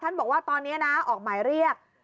ท่านบอกว่าตอนเนี้ยน่ะออกหมายเรียก